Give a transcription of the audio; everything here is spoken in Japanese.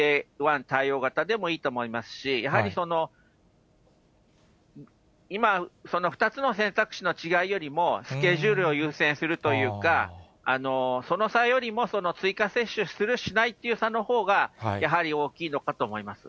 １対応型でもいいと思いますし、やはり今、２つの選択肢の違いよりも、スケジュールを優先するというか、その差よりも、追加接種する、しないという差のほうが、やはり大きいのかなと思います。